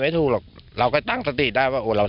มีอะไรกับมัน